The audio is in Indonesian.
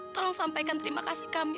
tolong sampaikan terima kasih kami